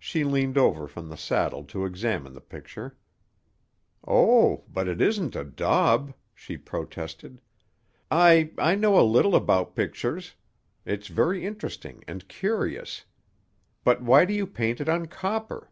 She leaned over from the saddle to examine the picture. "Oh, but it isn't a daub!" she protested. "I—I know a little about pictures. It's very interesting and curious. But why do you paint it on copper?"